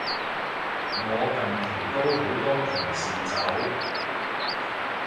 我近期都好多同事走